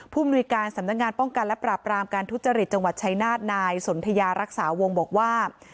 มนุยการสำนักงานป้องกันและปราบรามการทุจริตจังหวัดชายนาฏนายสนทยารักษาวงบอกว่า